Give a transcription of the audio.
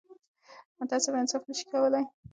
متعصب انصاف نه شي کولای